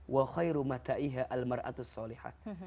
wa khairu mata'iha al mar'atu saliha